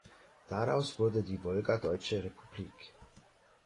Daraus wurde die Wolgadeutsche Republik.